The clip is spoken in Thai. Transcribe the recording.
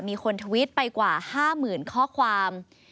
ทวิตไปกว่า๕๐๐๐ข้อความ